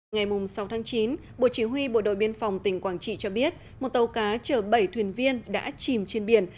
ngày sáu chín bộ chỉ huy bộ đội biên phòng tỉnh quảng trị cho biết một tàu cá chở bảy thuyền viên đã chìm trên biển